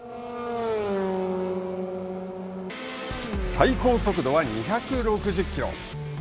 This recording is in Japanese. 最高速度は２６０キロ。